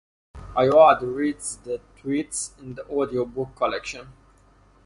Ayoade reads "The Twits" in the audiobook collection.